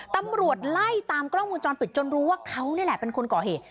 ตำรวจไล่ตามกล้องมูลจรปิดจนรู้ว่าเขานี่แหละเป็นคนก่อเหตุ